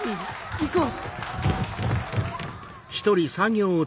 行こう！